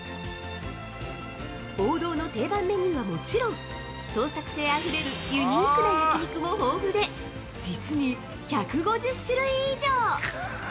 王道の定番メニューはもちろん創作性あふれるユニークな焼き肉も豊富で、実に１５０種類以上。